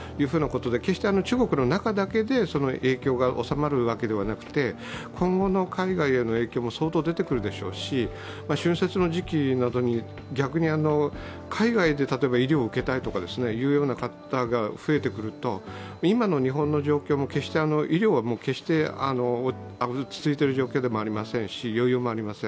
決して中国の中だけで影響が収まるわけではなくて、今後の海外への影響も相当、出てくるでしょうし春節の時期などに、逆に海外で医療を受けたいという方が増えてくると今の日本の状況も、医療は落ち着いている状況ではありませんし、余裕もありません